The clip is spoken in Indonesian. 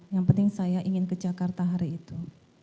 yang penting saya ingin ke jakarta hari itu